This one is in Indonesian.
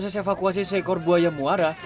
satu dua tiga